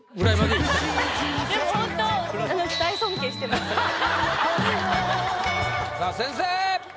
でもホントさあ先生！